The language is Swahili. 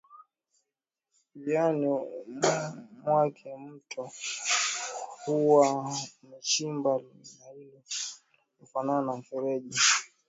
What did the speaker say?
Njiani mwake mto huwa umechimba lalio linalofanana na mfereji